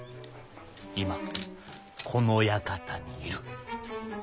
今この館にいる。